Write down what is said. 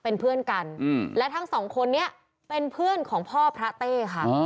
เป็นเพื่อนกันและทั้งสองคนนี้เป็นเพื่อนของพ่อพระเต้ค่ะ